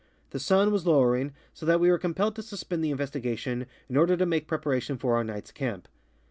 The sun was lowering, so that we were compelled to suspend the investigation in order to make preparation for our night's camp.